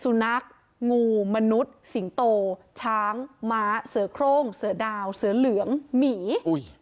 สุนัขงูมนุษย์สิงโตช้างม้าเสือโครงเสือดาวเสือเหลืองหมีอุ้ย